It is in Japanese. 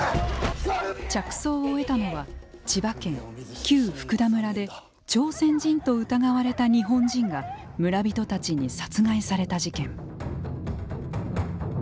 着想を得たのは千葉県、旧・福田村で朝鮮人と疑われた日本人が村人たちに殺害された事件。